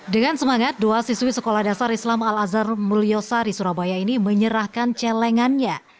dengan semangat dua siswi sekolah dasar islam al azhar mulyosari surabaya ini menyerahkan celengannya